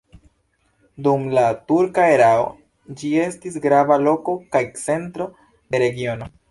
Dum la turka erao ĝi estis grava loko kaj centro de regiono.